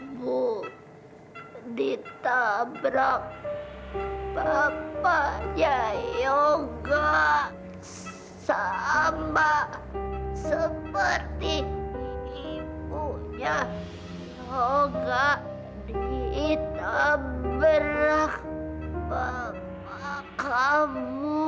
ibu ditabrak bapaknya yoga sama seperti ibunya yoga ditabrak bapak kamu